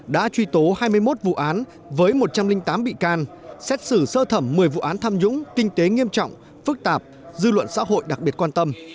đã truy tố hai mươi một vụ án với một trăm linh tám bị can xét xử sơ thẩm một mươi vụ án tham nhũng kinh tế nghiêm trọng phức tạp dư luận xã hội đặc biệt quan tâm